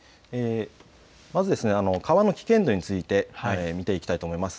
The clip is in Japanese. まず川の危険度について見ていきたいと思います。